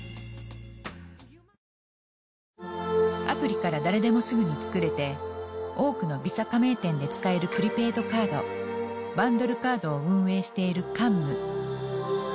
アプリから誰でもすぐに作れて多くのＶｉｓａ加盟店で使えるプリペイドカードバンドルカードを運営しているカンム。